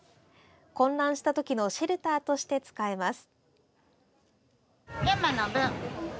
混乱した時のシェルターとして使えます。